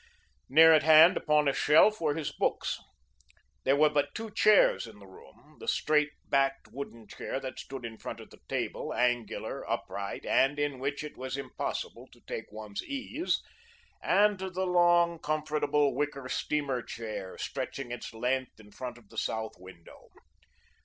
Near at hand, upon a shelf, were his books. There were but two chairs in the room the straight backed wooden chair, that stood in front of the table, angular, upright, and in which it was impossible to take one's ease, and the long comfortable wicker steamer chair, stretching its length in front of the south window.